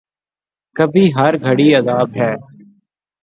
کبھی ہر گھڑی عذاب ہے